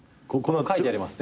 書いてあります